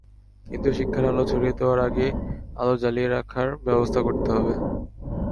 কিন্তু শিক্ষার আলো ছড়িয়ে দেওয়ার আগে আলো জ্বালিয়ে রাখার ব্যবস্থা করতে হবে।